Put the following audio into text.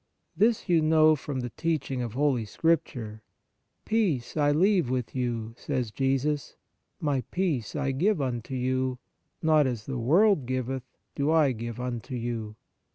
This you know from the teaching of Holy Scripture: " Peace I leave with you," says Jesus; " My peace I give unto you : not as the world giveth, do I give unto you.